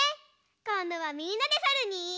こんどはみんなでさるに。